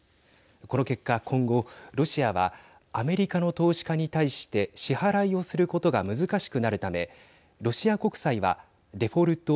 この結果、今後ロシアは、アメリカの投資家に対して支払いをすることが難しくなるためロシア国債はデフォルト＝